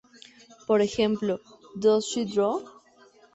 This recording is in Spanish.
Por ejemplo: "Does she draw?